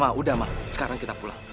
udah mah udah mah sekarang kita pulang